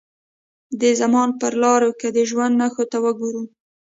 د زمان پر لارو که د ژوند نښو ته وګورو.